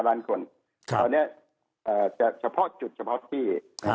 ตอนนี้จะเฉพาะจุดเฉพาะที่